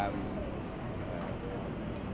มันเป็นแบบที่สุดท้ายแต่มันเป็นแบบที่สุดท้าย